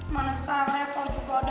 mana sekarang repot juga udah ga ada